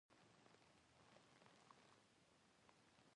ځوانان یې په موټي کې دي.